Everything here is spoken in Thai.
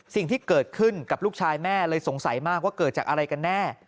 สิ่งที่เกิดขึ้นกับลูกชายแม่เลยสงสัยมากว่าเกิดจากอะไรกันแน่